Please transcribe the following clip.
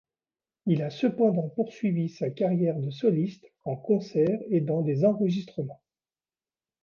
Il a cependant poursuivi sa carrière de soliste en concert et dans des enregistrements.